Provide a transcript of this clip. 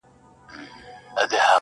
زه ستا په ځان كي يم ماته پيدا كړه.